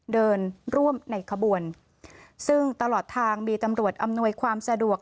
เดินร่วมในขบวนซึ่งตลอดทางมีตำรวจอำนวยความสะดวก